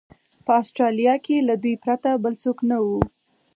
په اسټرالیا کې له دوی پرته بل څوک نه و.